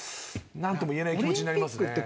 なんとも言えない気持ちになりますね。